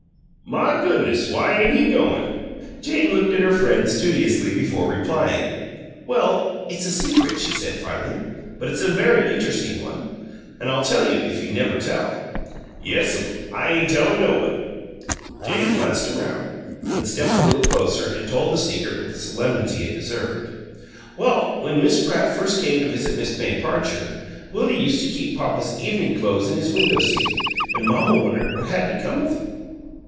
"My goo'ness! Why ain' he goin'?" Jane looked at her friend studiously before replying. "Well, it's a secret," she said, finally, "but it's a very inter'sting one, an' I'll tell you if you never tell." "Yes'm, I ain' tellin' nobody." Jane glanced round, then stepped a little closer and told the secret with the solemnity it deserved. "Well, when Miss Pratt first came to visit Miss May Parcher, Willie used to keep papa's evening clo'es in his window seat, an' mamma wondered what HAD become of 'em.